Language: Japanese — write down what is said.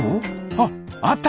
あっあった！